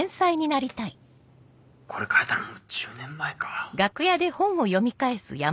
これ書いたのもう１０年前か。